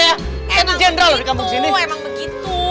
eh emang begitu emang begitu